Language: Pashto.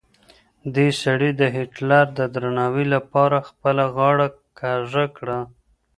دې سړي د هېټلر د درناوي لپاره خپله غاړه کږه کړه.